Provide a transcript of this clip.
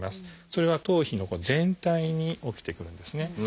それが頭皮の全体に起きてくるんですね。